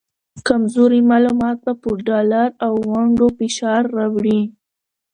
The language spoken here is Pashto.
کمزوري معلومات به په ډالر او ونډو فشار راوړي